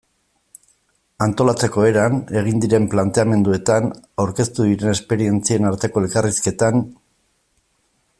Antolatzeko eran, egin diren planteamenduetan, aurkeztu diren esperientzien arteko elkarrizketan...